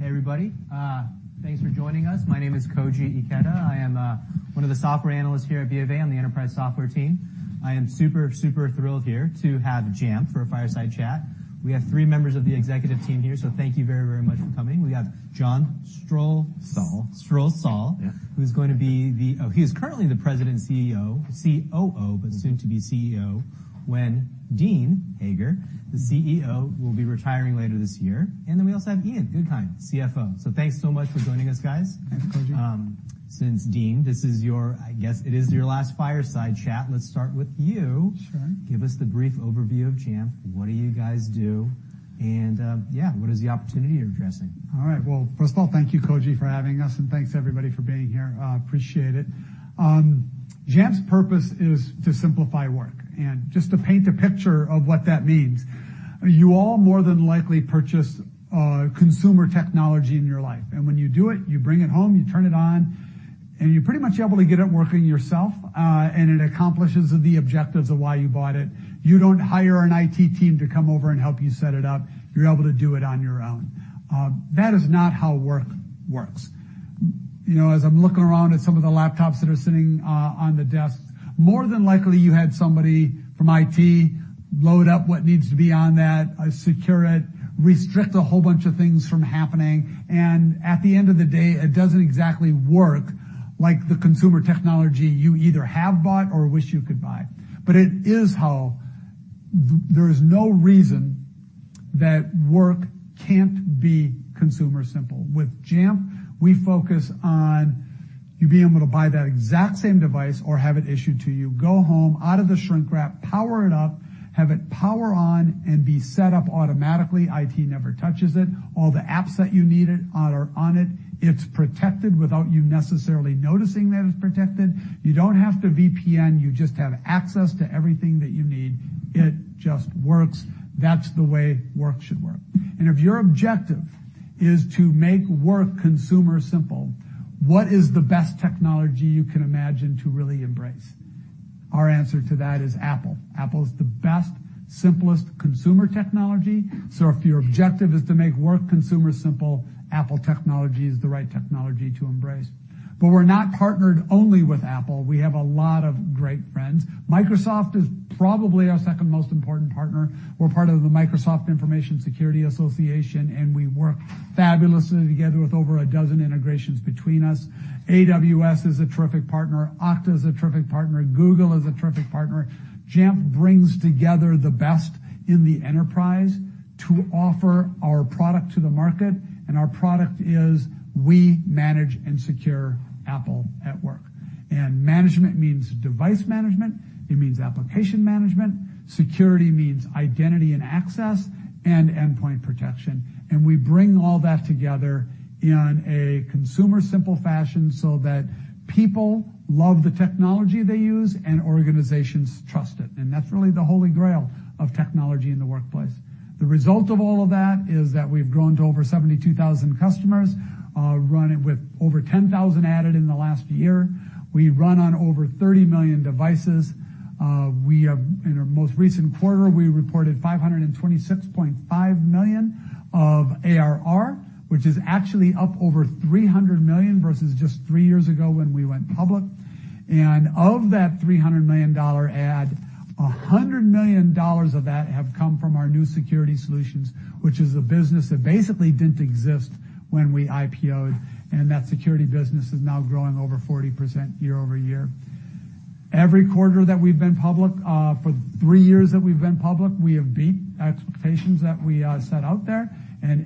Hey, everybody. Thanks for joining us. My name is Koji Ikeda. I am one of the software analysts here at BofA on the enterprise software team. I am super thrilled here to have Jamf for a fireside chat. We have three members of the executive team here, so thank you very, very much for coming. We have John Strosahl. Strosahl. Strosahl. Yeah. Who's going to be oh, he is currently the President and COO, but soon to be CEO, when Dean Hager, the CEO, will be retiring later this year. We also have Ian Goodkind, CFO. Thanks so much for joining us, guys. Thanks, Koji. Since, Dean, this is I guess it is your last fireside chat, let's start with you. Sure. Give us the brief overview of Jamf. What do you guys do? Yeah, what is the opportunity you're addressing? All right. Well, first of all, thank you, Koji, for having us, and thanks, everybody, for being here. appreciate it. Jamf's purpose is to simplify work, and just to paint a picture of what that means, you all more than likely purchase, consumer technology in your life. When you do it, you bring it home, you turn it on, and you're pretty much able to get it working yourself, and it accomplishes the objectives of why you bought it. You don't hire an IT team to come over and help you set it up. You're able to do it on your own. That is not how work works. You know, as I'm looking around at some of the laptops that are sitting on the desk, more than likely, you had somebody from IT load up what needs to be on that, secure it, restrict a whole bunch of things from happening, and at the end of the day, it doesn't exactly work like the consumer technology you either have bought or wish you could buy. It is how. There is no reason that work can't be consumer simple. With Jamf, we focus on you being able to buy that exact same device or have it issued to you, go home, out of the shrink wrap, power it up, have it power on, and be set up automatically. IT never touches it. All the apps that you need it are on it. It's protected without you necessarily noticing that it's protected. You don't have to VPN, you just have access to everything that you need. It just works. That's the way work should work. If your objective is to make work consumer simple, what is the best technology you can imagine to really embrace? Our answer to that is Apple. Apple is the best, simplest consumer technology. If your objective is to make work consumer simple, Apple technology is the right technology to embrace. We're not partnered only with Apple. We have a lot of great friends. Microsoft is probably our second most important partner. We're part of the Microsoft Intelligent Security Association, and we work fabulously together with over a dozen integrations between us. AWS is a terrific partner. Okta is a terrific partner. Google is a terrific partner. Jamf brings together the best in the enterprise to offer our product to the market. Our product is we manage and secure Apple at work. Management means device management, it means application management. Security means identity and access and endpoint protection. We bring all that together in a consumer-simple fashion so that people love the technology they use and organizations trust it, and that's really the holy grail of technology in the workplace. The result of all of that is that we've grown to over 72,000 customers, run it with over 10,000 added in the last year. We run on over 30 million devices. We have, in our most recent quarter, we reported $526.5 million of ARR, which is actually up over $300 million versus just three years ago when we went public. Of that $300 million add, $100 million of that have come from our new security solutions, which is a business that basically didn't exist when we IPO'd, and that security business is now growing over 40% year-over-year. Every quarter that we've been public, for three years that we've been public, we have beat expectations that we set out there.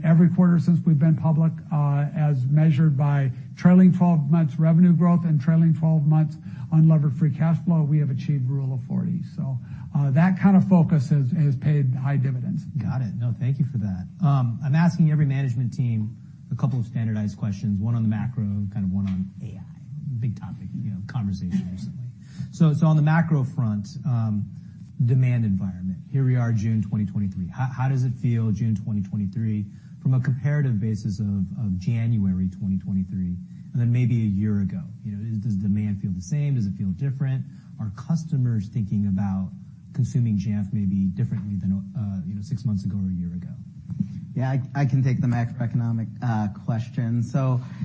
Every quarter since we've been public, as measured by trailing 12 months revenue growth and trailing 12 months unlevered free cash flow, we have achieved Rule of 40. That kind of focus has paid high dividends. Got it. No, thank you for that. I'm asking every management team a couple of standardized questions, one on the macro, and kind of one on AI. Big topic, you know, conversation recently. On the macro front, demand environment, here we are, June 2023, how does it feel, June 2023, from a comparative basis of January 2023, and then maybe a year ago? You know, does demand feel the same? Does it feel different? Are customers thinking about consuming Jamf maybe differently than, you know, six months ago or a year ago? Yeah, I can take the macroeconomic question.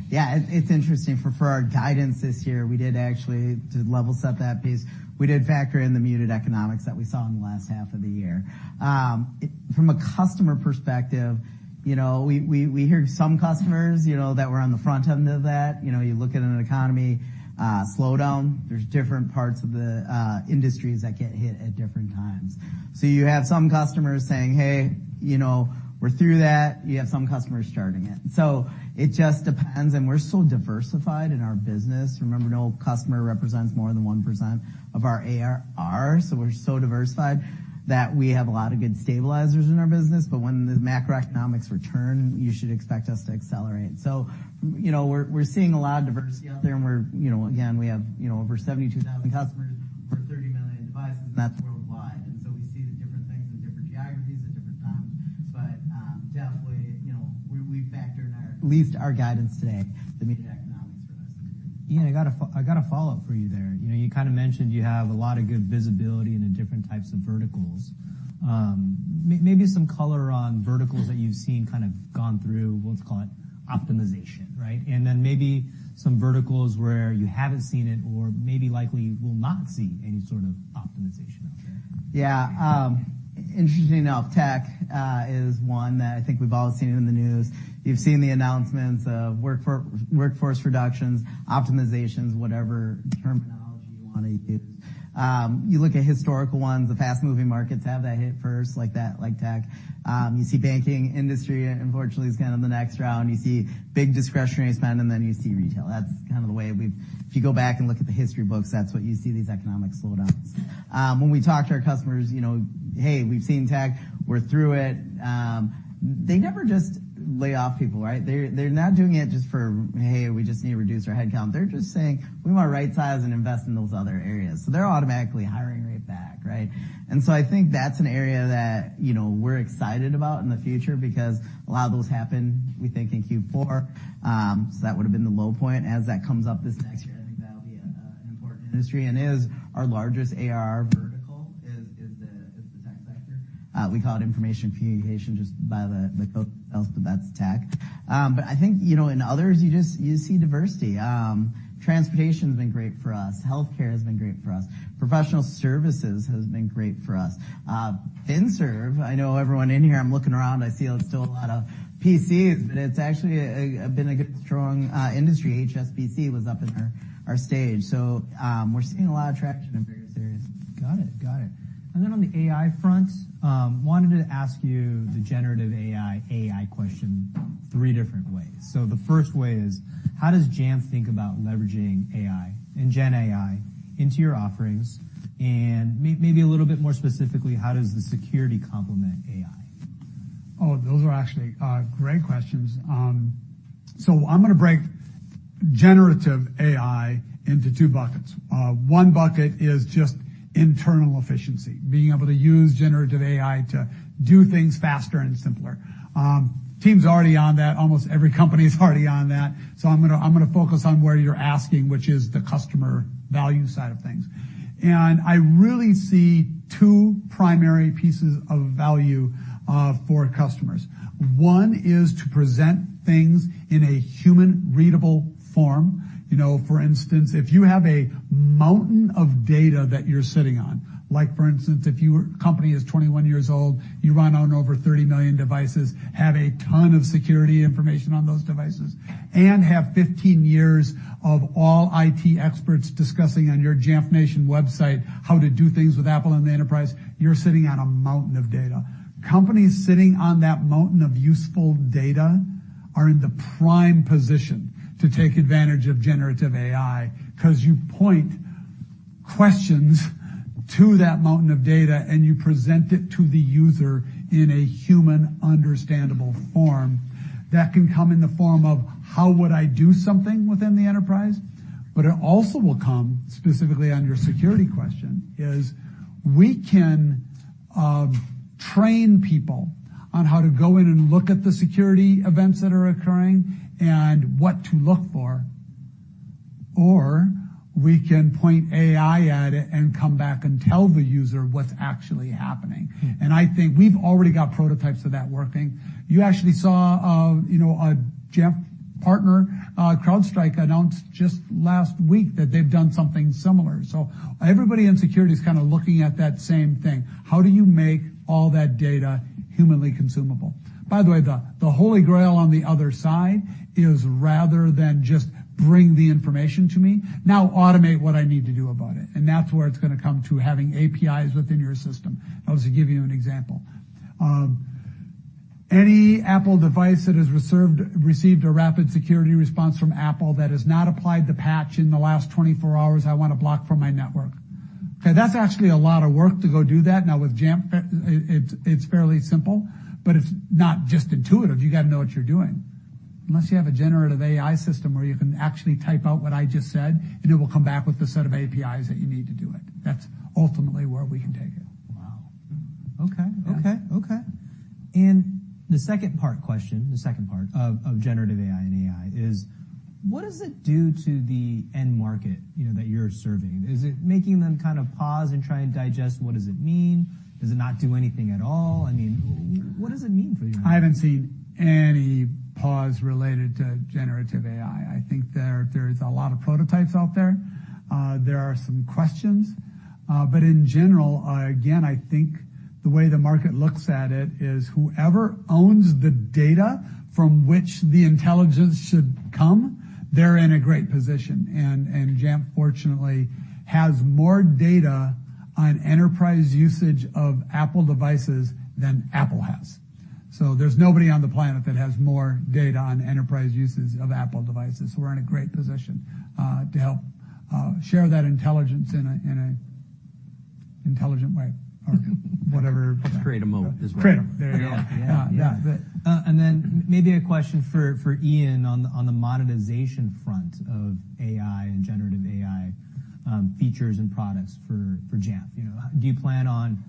Yeah, it's interesting. For our guidance this year, we did actually, to level set that piece, we did factor in the muted economics that we saw in the last half of the year. From a customer perspective, you know, we hear some customers, you know, that were on the front end of that. You know, you look at an economy slowdown, there's different parts of the industries that get hit at different times. You have some customers saying, "Hey, you know, we're through that." You have some customers starting it. It just depends, and we're so diversified in our business. Remember, no customer represents more than 1% of our ARR, so we're so diversified that we have a lot of good stabilizers in our business, but when the macroeconomics return, you should expect us to accelerate. You know, we're seeing a lot of diversity out there, and we're, you know, again, we have, you know, over 72,000 customers or 30 million devices, and that's worldwide. We see the different things in different geographies at different times. Definitely, you know, we factor in our, at least our guidance today, the muted economics. Ian, I got a follow-up for you there. You know, you kind of mentioned you have a lot of good visibility in the different types of verticals. Maybe some color on verticals that you've seen kind of gone through, let's call it optimization, right? Then maybe some verticals where you haven't seen it or maybe likely will not see any sort of optimization out there. Yeah, interestingly enough, tech is one that I think we've all seen in the news. You've seen the announcements of workforce reductions, optimizations, whatever terminology you want to use. You look at historical ones, the fast-moving markets have that hit first, like that, like tech. You see banking industry, unfortunately, is kind of the next round. You see big discretionary spend, and then you see retail. That's kind of the way If you go back and look at the history books, that's what you see, these economic slowdowns. When we talk to our customers, you know, "Hey, we've seen tech. We're through it." They never just lay off people, right? They're not doing it just for, "Hey, we just need to reduce our headcount." They're just saying, "We want to rightsize and invest in those other areas." They're automatically hiring right back, right? I think that's an area that, you know, we're excited about in the future because a lot of those happen, we think, in Q4. That would've been the low point. As that comes up this next year, I think that'll be an important industry, and is our largest ARR vertical, is the tech sector. We call it information technology, just by the, like, oh, that's tech. I think, you know, in others, you see diversity. Transportation's been great for us. Healthcare has been great for us. Professional services has been great for us. FinServe, I know everyone in here, I'm looking around, I see there's still a lot of PCs, but it's actually a been a good, strong industry. HSBC was up in our stage. We're seeing a lot of traction in various areas. Got it. Got it. On the AI front, wanted to ask you the generative AI question three different ways. The first way is: How does Jamf think about leveraging AI and gen AI into your offerings? Maybe a little bit more specifically, how does the security complement AI? Oh, those are actually great questions. I'm gonna break generative AI into two buckets. One bucket is just internal efficiency, being able to use generative AI to do things faster and simpler. Team's already on that. Almost every company is already on that. I'm gonna focus on where you're asking, which is the customer value side of things. I really see two primary pieces of value for customers. One is to present things in a human, readable form. You know, for instance, if you have a mountain of data that you're sitting on, like, for instance, if your company is 21 years old, you run on over 30 million devices, have a ton of security information on those devices, and have 15 years of all IT experts discussing on your Jamf Nation website how to do things with Apple in the enterprise, you're sitting on a mountain of data. Companies sitting on that mountain of useful data are in the prime position to take advantage of generative AI, 'cause you point questions to that mountain of data, and you present it to the user in a human, understandable form. That can come in the form of, "How would I do something within the enterprise?" It also will come, specifically on your security question, is we can train people on how to go in and look at the security events that are occurring and what to look for, or we can point AI at it and come back and tell the user what's actually happening. I think we've already got prototypes of that working. You actually saw, you know, a Jamf partner, CrowdStrike, announced just last week that they've done something similar. Everybody in security is kinda looking at that same thing. How do you make all that data humanly consumable? By the way, the Holy Grail on the other side is, rather than just bring the information to me, now automate what I need to do about it, that's where it's gonna come to having APIs within your system. I'll just give you an example. Any Apple device that has received a Rapid Security Response from Apple that has not applied the patch in the last 24 hours, I want to block from my network. Okay, that's actually a lot of work to go do that. Now, with Jamf, it's fairly simple, but it's not just intuitive. You gotta know what you're doing. Unless you have a generative AI system where you can actually type out what I just said, and it will come back with a set of APIs that you need to do it. That's ultimately where we can take it. Wow! Okay. The second part question, the second part of generative AI and AI is: What does it do to the end market, you know, that you're serving? Is it making them kind of pause and try and digest what does it mean? Does it not do anything at all? I mean, what does it mean for you? I haven't seen any pause related to generative AI. I think there's a lot of prototypes out there. There are some questions, but in general, again, I think the way the market looks at it is whoever owns the data from which the intelligence should come, they're in a great position, and Jamf, fortunately, has more data on enterprise usage of Apple devices than Apple has. There's nobody on the planet that has more data on enterprise usage of Apple devices. We're in a great position, to help share that intelligence in a intelligent way, or whatever. Create a mode as well. There you go. Yeah. Yeah. Maybe a question for Ian on the monetization front of AI and generative AI features and products for Jamf? You know, do you plan on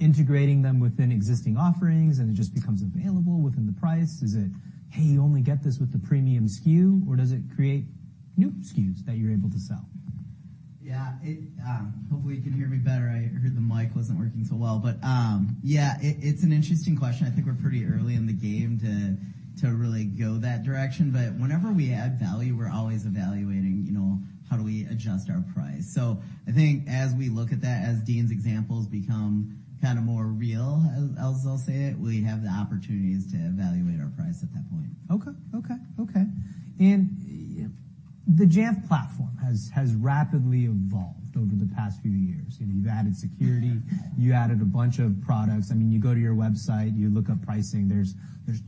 integrating them within existing offerings, and it just becomes available within the price? Is it, "Hey, you only get this with the premium SKU," or does it create new SKUs that you're able to sell? Yeah, it, hopefully, you can hear me better. I heard the mic wasn't working so well. Yeah, it's an interesting question. I think we're pretty early in the game to really go that direction. Whenever we add value, we're always evaluating, you know, how do we adjust our price? I think as we look at that, as Dean's examples become kind of more real, as I'll say it, we have the opportunities to evaluate our price at that point. Okay. The Jamf platform has rapidly evolved over the past few years, and you've added security, you added a bunch of products. I mean, you go to your website, you look up pricing, there's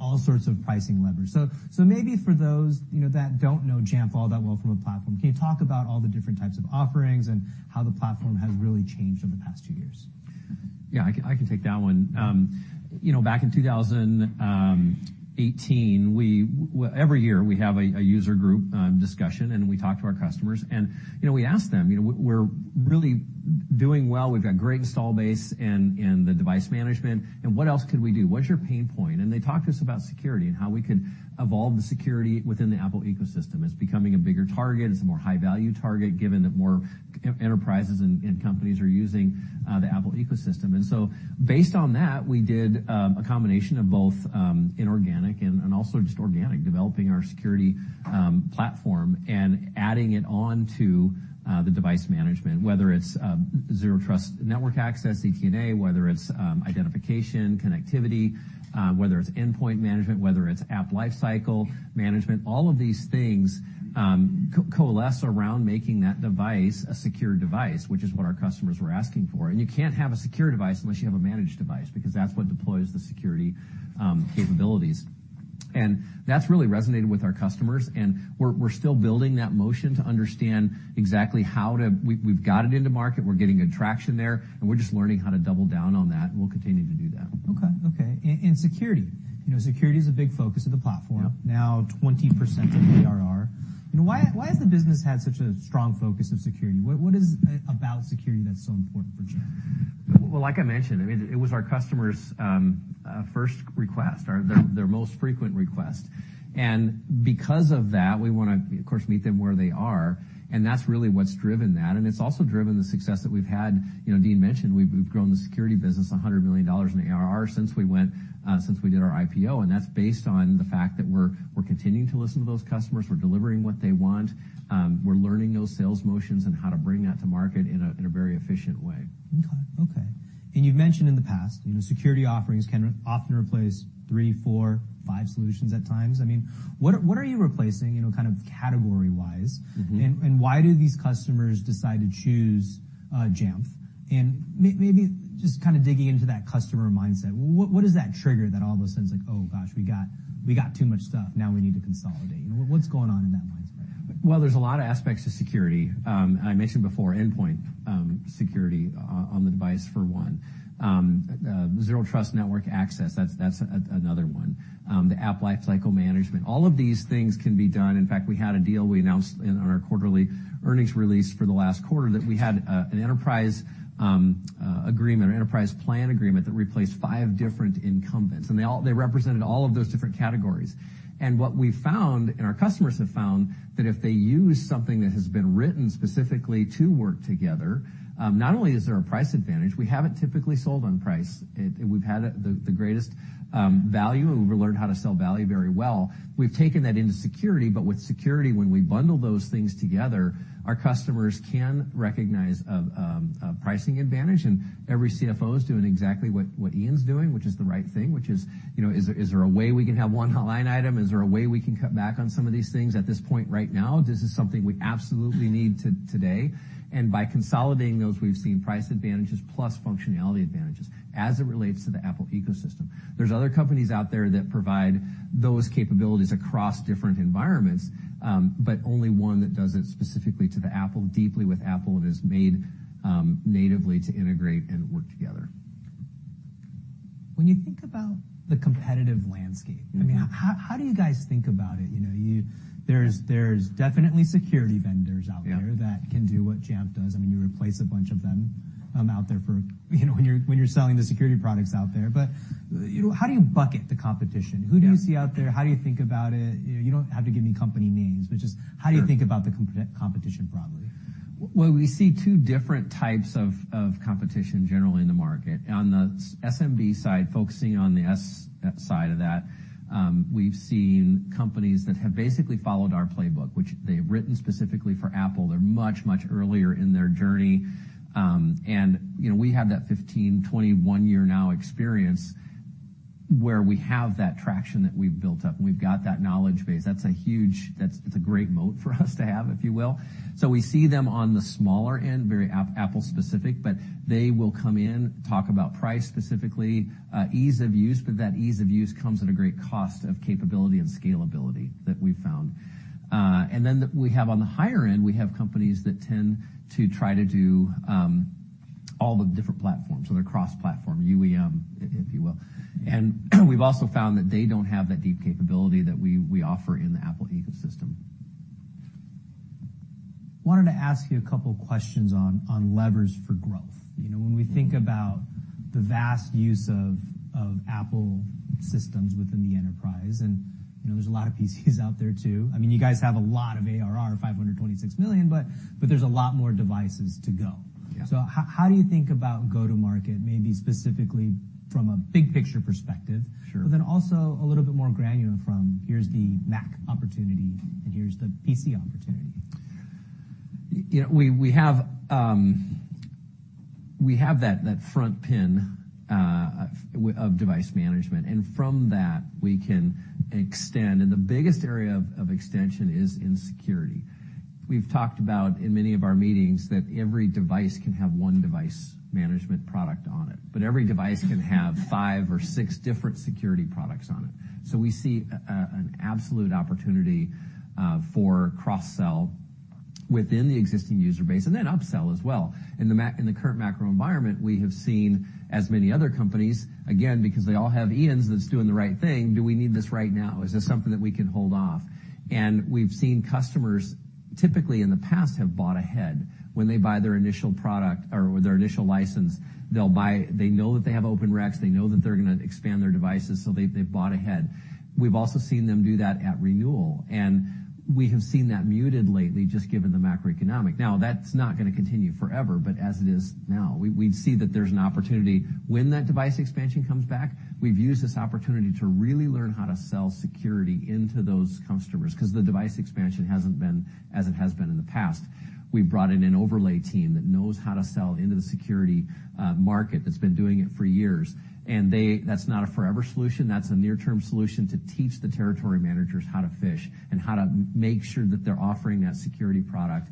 all sorts of pricing levers. Maybe for those, you know, that don't know Jamf all that well from a platform, can you talk about all the different types of offerings and how the platform has really changed over the past two years? Yeah, I can take that one. You know, back in 2018, every year, we have a user group discussion, and we talk to our customers. You know, we ask them, you know, "We're really doing well. We've got great install base and the device management, and what else could we do? What's your pain point?" They talk to us about security and how we could evolve the security within the Apple ecosystem. It's becoming a bigger target. It's a more high-value target, given that more enterprises and companies are using the Apple ecosystem. Based on that, we did a combination of both inorganic and also just organic, developing our security platform and adding it on to the device management, whether it's zero trust, network access, ZTNA, whether it's identification, connectivity, whether it's endpoint management, whether it's App Lifecycle Management. All of these things coalesce around making that device a secure device, which is what our customers were asking for. You can't have a secure device unless you have a managed device, because that's what deploys the security capabilities. That's really resonated with our customers, and we're still building that motion to understand exactly how to-- We've got it into market, we're getting a traction there, and we're just learning how to double down on that, and we'll continue to do that. Okay. Okay. Security, you know, security is a big focus of the platform. Yep. Now 20% of the ARR. You know, why has the business had such a strong focus of security? What is about security that's so important for Jamf? Well, like I mentioned, I mean, it was our customers' first request, or their most frequent request. Because of that, we wanna, of course, meet them where they are, and that's really what's driven that. It's also driven the success that we've had. You know, Dean mentioned we've grown the security business $100 million in the ARR since we went since we did our IPO, and that's based on the fact that we're continuing to listen to those customers. We're delivering what they want. We're learning those sales motions and how to bring that to market in a very efficient way. Okay. You've mentioned in the past, you know, security offerings can often replace three, four, five solutions at times. I mean, what are you replacing, you know, kind of category-wise? Why do these customers decide to choose Jamf? Maybe just kind of digging into that customer mindset, what does that trigger that all of a sudden it's like, "Oh, gosh, we got too much stuff. Now we need to consolidate"? You know, what's going on in that mindset? Well, there's a lot of aspects to security. I mentioned before, endpoint security on the device for one. Zero Trust Network Access, that's another one. The App Lifecycle Management, all of these things can be done. In fact, we had a deal we announced in our quarterly earnings release for the last quarter, that we had an enterprise agreement or enterprise plan agreement that replaced five different incumbents, and they represented all of those different categories. What we found, and our customers have found, that if they use something that has been written specifically to work together, not only is there a price advantage, we haven't typically sold on price. We've had the greatest value, and we've learned how to sell value very well. We've taken that into security, but with security, when we bundle those things together, our customers can recognize a pricing advantage. Every CFO is doing exactly what Ian's doing, which is the right thing, which is, you know, "Is there a way we can have one line item? Is there a way we can cut back on some of these things at this point right now? This is something we absolutely need today." By consolidating those, we've seen price advantages plus functionality advantages as it relates to the Apple ecosystem. There's other companies out there that provide those capabilities across different environments, but only one that does it specifically to the Apple, deeply with Apple, and is made natively to integrate and work together. When you think about the competitive landscape, I mean, how do you guys think about it? You know, there's definitely security vendors out there that can do what Jamf does. I mean, you replace a bunch of them, out there for, you know, when you're selling the security products out there. You know, how do you bucket the competition? Who do you see out there? How do you think about it? You know, you don't have to give me company names, but just how do you think about the competition broadly? We see two different types of competition generally in the market. On the SMB side, focusing on the S side of that, we've seen companies that have basically followed our playbook, which they have written specifically for Apple. They're much earlier in their journey. You know, we have that 15, 20, one-year now experience, where we have that traction that we've built up, and we've got that knowledge base. That's, it's a great moat for us to have, if you will. We see them on the smaller end, very Apple specific, but they will come in, talk about price, specifically, ease of use, but that ease of use comes at a great cost of capability and scalability that we've found. We have on the higher end, we have companies that tend to try to do all the different platforms, so they're cross-platform UEM, if you will. We've also found that they don't have that deep capability that we offer in the Apple ecosystem. Wanted to ask you a couple questions on levers for growth. You know, when we think about the vast use of Apple systems within the enterprise, and, you know, there's a lot of PCs out there, too. I mean, you guys have a lot of ARR, $526 million, but there's a lot more devices to go. How do you think about go-to-market, maybe specifically from a big picture perspective? Also a little bit more granular from, here's the Mac opportunity, and here's the PC opportunity. You know, we have that front pin of device management, and from that, we can extend, and the biggest area of extension is in security. We've talked about, in many of our meetings, that every device can have one device management product on it, but every device can have five or six different security products on it. We see an absolute opportunity for cross-sell within the existing user base, and then upsell as well. In the current macro environment, we have seen, as many other companies, again, because they all have Ians that's doing the right thing, "Do we need this right now? Is this something that we can hold off?" We've seen customers typically, in the past, have bought ahead. When they buy their initial product or their initial license, they'll buy-- They know that they have open racks, they know that they're gonna expand their devices. They've bought ahead. We've also seen them do that at renewal. We have seen that muted lately, just given the macroeconomic. That's not gonna continue forever. As it is now, we see that there's an opportunity when that device expansion comes back. We've used this opportunity to really learn how to sell security into those customers, 'cause the device expansion hasn't been as it has been in the past. We've brought in an overlay team that knows how to sell into the security market, that's been doing it for years, and that's not a forever solution, that's a near-term solution, to teach the territory managers how to fish and how to make sure that they're offering that security product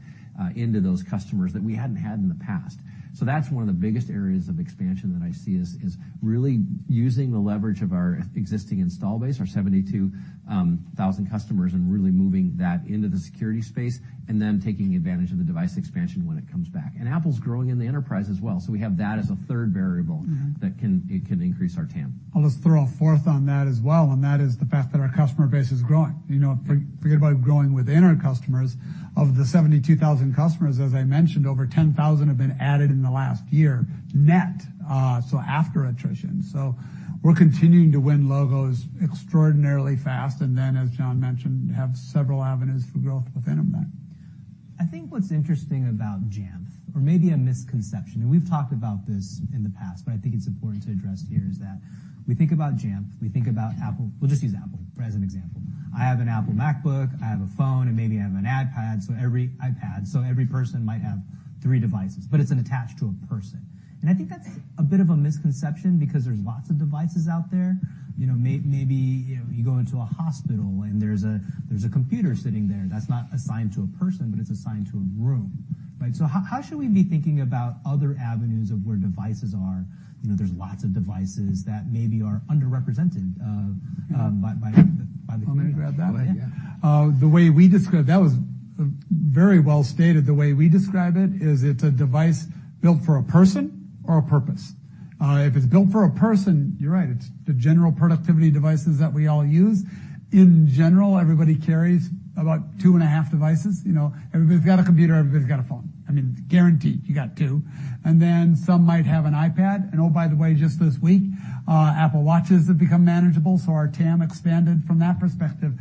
into those customers that we hadn't had in the past. That's one of the biggest areas of expansion that I see, is really using the leverage of our existing install base, our 72,000 customers, and really moving that into the security space, and then taking advantage of the device expansion when it comes back. Apple's growing in the enterprise as well, so we have that as a third variable that can, it can increase our TAM. I'll just throw a fourth on that as well. That is the fact that our customer base is growing. You know, forget about growing within our customers, of the 72,000 customers, as I mentioned, over 10,000 have been added in the last year, net, so after attrition. We're continuing to win logos extraordinarily fast, then, as John mentioned, have several avenues for growth within them then. I think what's interesting about Jamf, or maybe a misconception, and we've talked about this in the past, but I think it's important to address here, is that we think about Jamf, we think about Apple. We'll just use Apple as an example. I have an Apple MacBook, I have a phone, and maybe I have an iPad, so iPad, so every person might have three devices, but it's attached to a person. I think that's a bit of a misconception because there's lots of devices out there. You know, maybe you go into a hospital, and there's a computer sitting there that's not assigned to a person, but it's assigned to a room, right? How, how should we be thinking about other avenues of where devices are? You know, there's lots of devices that maybe are underrepresented, by the computer. I'm gonna grab that one, yeah. Yeah. That was very well stated. The way we describe it is, it's a device built for a person or a purpose. If it's built for a person, you're right, it's the general productivity devices that we all use. In general, everybody carries about two and a half devices. You know, everybody's got a computer, everybody's got a phone. I mean, guaranteed, you got two. Some might have an iPad, and oh, by the way, just this week, Apple Watches have become manageable, so our TAM expanded from that perspective,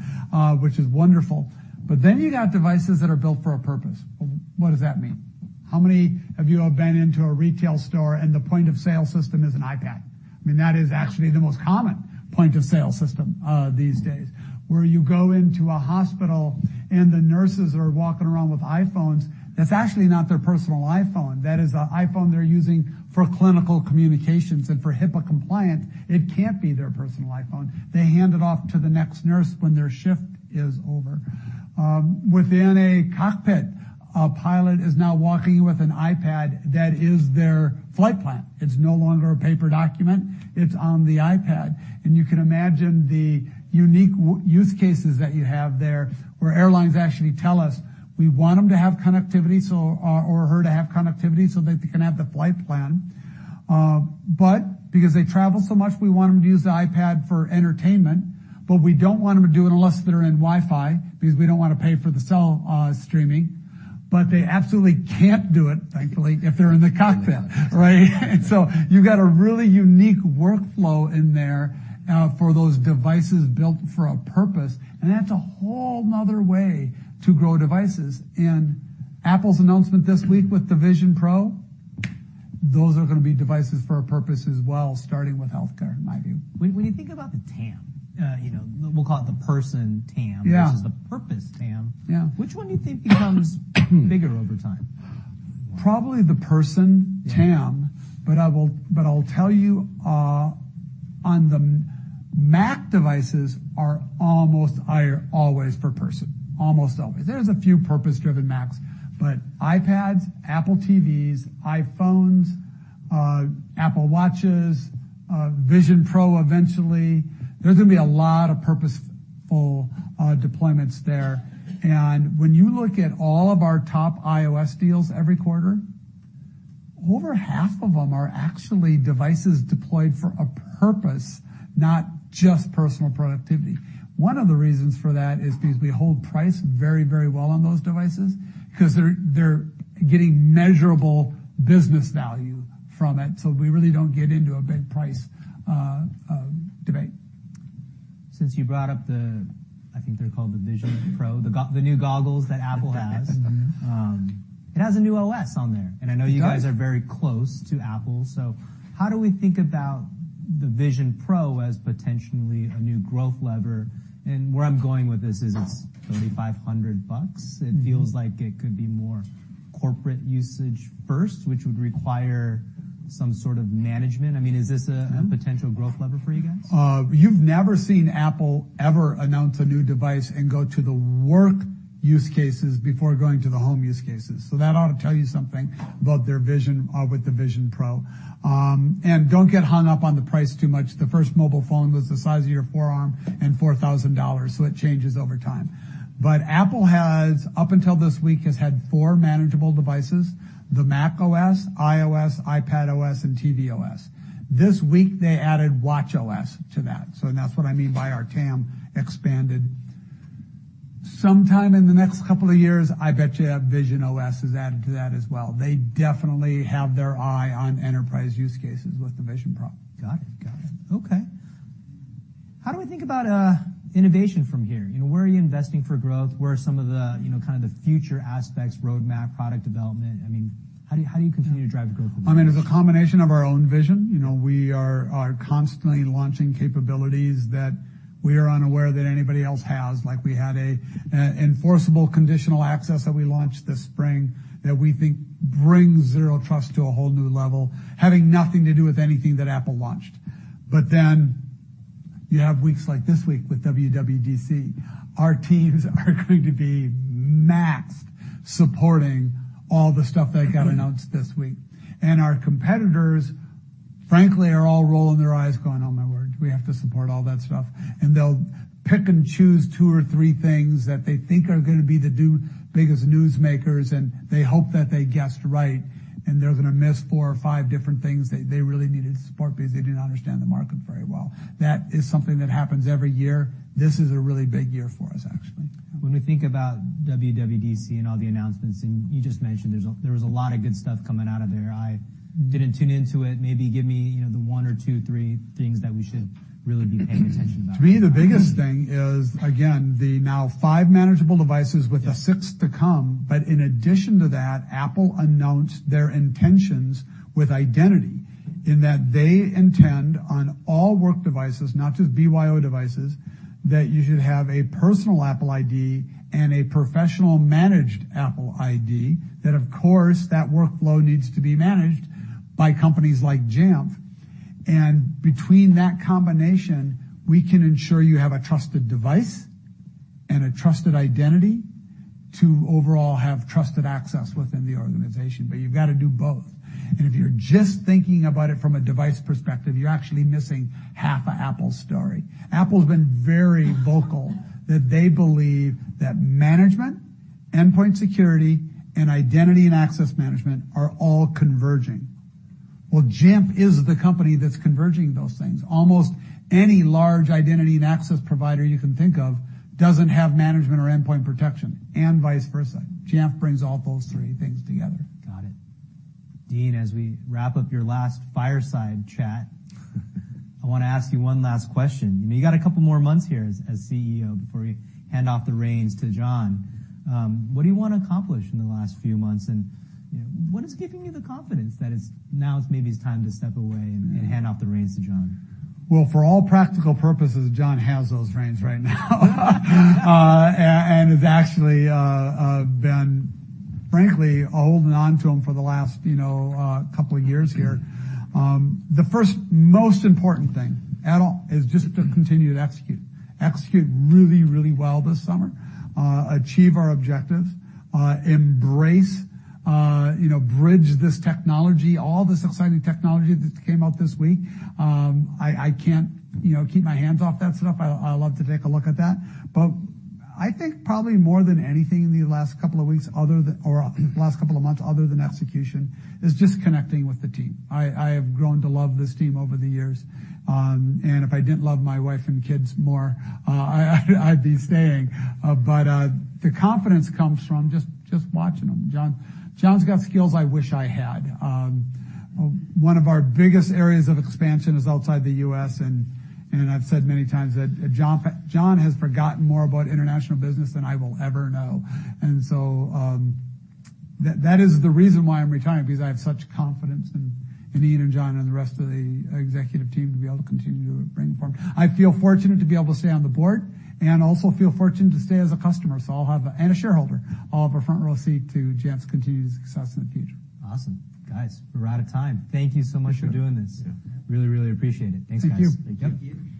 which is wonderful. You got devices that are built for a purpose. What does that mean? How many of you have been into a retail store and the point-of-sale system is an iPad? I mean, that is actually the most common point-of-sale system these days. Where you go into a hospital, and the nurses are walking around with iPhones, that's actually not their personal iPhone. That is a iPhone they're using for clinical communications, and for HIPAA compliance, it can't be their personal iPhone. They hand it off to the next nurse when their shift is over. Within a cockpit, a pilot is now walking with an iPad that is their flight plan. It's no longer a paper document, it's on the iPad, and you can imagine the unique use cases that you have there, where airlines actually tell us: We want him to have connectivity so, or her to have connectivity so that they can have the flight plan. Because they travel so much, we want them to use the iPad for entertainment, but we don't want them to do it unless they're in Wi-Fi, because we don't wanna pay for the cell streaming. They absolutely can't do it, thankfully, if they're in the cockpit, right? You've got a really unique workflow in there for those devices built for a purpose, and that's a whole 'nother way to grow devices. Apple's announcement this week with the Vision Pro, those are gonna be devices for a purpose as well, starting with healthcare, in my view. When you think about the TAM, you know, we'll call it the person TAM versus the purpose TAM, which one do you think becomes bigger over time? Probably the person TAM. But I'll tell you, on the Mac devices are always per person, almost always. There's a few purpose-driven Macs. iPads, Apple TVs, iPhones, Apple Watches, Vision Pro eventually, there's gonna be a lot of purpose-focused full deployments there. When you look at all of our top iOS deals every quarter, over half of them are actually devices deployed for a purpose, not just personal productivity. One of the reasons for that is because we hold price very, very well on those devices, 'cause they're getting measurable business value from it, so we really don't get into a big price debate. Since you brought up the, I think they're called the Vision Pro, the new goggles that Apple has. It has a new O.S. on there. It does. I know you guys are very close to Apple. How do we think about the Vision Pro as potentially a new growth lever? Where I'm going with this is it's only $500. It feels like it could be more corporate usage first, which would require some sort of management. I mean, is this a potential growth lever for you guys? You've never seen Apple ever announce a new device and go to the work use cases before going to the home use cases. That ought to tell you something about their vision with the Vision Pro. Don't get hung up on the price too much. The first mobile phone was the size of your forearm and $4,000, so it changes over time. Apple has, up until this week, has had four manageable devices, the macOS, iOS, iPadOS, and tvOS. This week, they added watchOS to that, and that's what I mean by our TAM expanded. Sometime in the next couple of years, I bet you have visionOS is added to that as well. They definitely have their eye on enterprise use cases with the Vision Pro. Got it. Got it. Okay. How do we think about innovation from here? You know, where are you investing for growth? Where are some of the, you know, kind of the future aspects, roadmap, product development? I mean, how do you continue to drive growth? I mean, it's a combination of our own vision. You know, we are constantly launching capabilities that we are unaware that anybody else has. Like, we had a enforceable Conditional Access that we launched this spring that we think brings Zero Trust to a whole new level, having nothing to do with anything that Apple launched. You have weeks like this week with WWDC. Our teams are going to be maxed supporting all the stuff that got announced this week. Our competitors, frankly, are all rolling their eyes, going, "Oh my word, we have to support all that stuff." They'll pick and choose two or three things that they think are gonna be the biggest newsmakers, and they hope that they guessed right, and they're gonna miss four or five different things they really needed to support because they didn't understand the market very well. That is something that happens every year. This is a really big year for us, actually. When we think about WWDC and all the announcements, and you just mentioned there was a lot of good stuff coming out of there. I didn't tune into it. Maybe give me, you know, the one or two, three things that we should really be paying attention about. To me, the biggest thing is, again, the now five manageable devices with a sixth to come. In addition to that, Apple announced their intentions with identity, in that they intend on all work devices, not just BYO devices, that you should have a personal Apple ID and a professional Managed Apple ID. That, of course, that workflow needs to be managed by companies like Jamf. Between that combination, we can ensure you have a trusted device and a trusted identity to overall have trusted access within the organization. You've got to do both. If you're just thinking about it from a device perspective, you're actually missing half of Apple's story. Apple has been very vocal that they believe that management, endpoint security, and Identity and access management are all converging. Jamf is the company that's converging those things. Almost any large identity and access provider you can think of doesn't have management or endpoint protection, and vice versa. Jamf brings all those three things together. Got it. Dean, as we wrap up your last fireside chat, I want to ask you one last question. You know, you got a couple more months here as CEO before you hand off the reins to John. What do you want to accomplish in the last few months, and, you know, what is giving you the confidence that it's now maybe it's time to step away and hand off the reins to John? Well, for all practical purposes, John has those reins right now, and has actually been, frankly, holding on to them for the last, you know, couple of years here. The first most important thing at all is just to continue to execute. Execute really, really well this summer, achieve our objectives, embrace, you know, bridge this technology, all this exciting technology that came out this week. I can't, you know, keep my hands off that stuff. I love to take a look at that. I think probably more than anything in the last couple of weeks, or last couple of months, other than execution, is just connecting with the team. I have grown to love this team over the years. If I didn't love my wife and kids more, I'd be staying. The confidence comes from just watching them. John's got skills I wish I had. One of our biggest areas of expansion is outside the U.S., I've said many times that John has forgotten more about international business than I will ever know. That is the reason why I'm retiring, because I have such confidence in Ian and John and the rest of the executive team to be able to continue to bring forward. I feel fortunate to be able to stay on the board, and I also feel fortunate to stay as a customer. I'll have a front-row seat to Jamf's continued success in the future. Awesome. Guys, we're out of time. Thank you so much for doing this. Yeah. Really, really appreciate it. Thanks, guys. Thank you. Thank you.